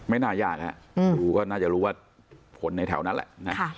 น่ายากฮะดูก็น่าจะรู้ว่าผลในแถวนั้นแหละนะ